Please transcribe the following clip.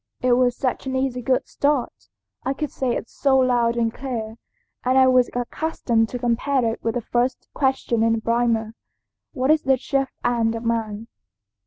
It was such an easy good start, I could say it so loud and clear, and I was accustomed to compare it with the first question in the Primer, 'What is the chief end of man?'